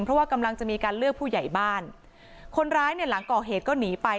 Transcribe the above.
เพราะว่ากำลังจะมีการเลือกผู้ใหญ่บ้านคนร้ายเนี่ยหลังก่อเหตุก็หนีไป